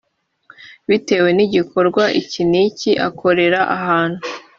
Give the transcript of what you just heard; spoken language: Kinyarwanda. bitewe nigikorwa iki n iki akorera ahantu